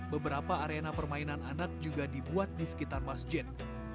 beberapa arena permainan anak juga dibuat di sekitar masjid